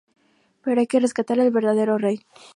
Pero hay que rescatar al verdadero rey.